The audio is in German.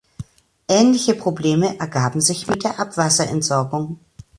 Ähnliche Probleme ergaben sich mit der Abwasserentsorgung.